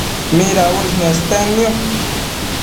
midauësh nestednio?